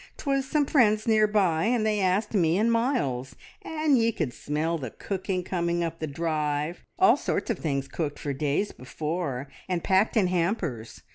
'Twas some friends near by, and they asked me and Miles; and ye could smell the cooking coming up the drive all sorts of things cooked for days before, and packed in hampers.